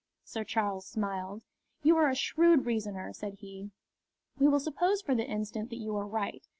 Sir Charles smiled. "You are a shrewd reasoner," said he. "We will suppose for the instant that you are right.